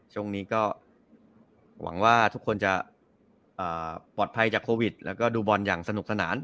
ช่วงนี้ก็หวังว่าทุกคนจะปลอดภัยจากโควิดแล้วก็ดูบอลอย่างสนุกสนาน